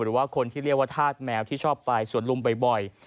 หรือว่าคนที่เรียกว่าธาตุแมวที่ชอบไปสวนลุมบ่อย